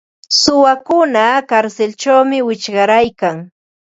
Suwakuna karsilćhawmi wichqaryarkan.